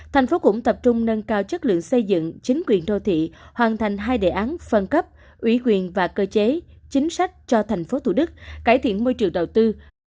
thành phố cũng tập trung nâng cao chất lượng xây dựng chính quyền đô thị hoàn thành hai đề án phân cấp ủy quyền và cơ chế chính sách cho thành phố thủ đức cải thiện môi trường đầu tư